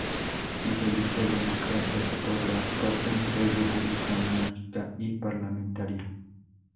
Si se eligió democracia, se podrá optar entre república y monarquía parlamentaria.